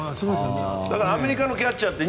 だからアメリカのキャッチャーって。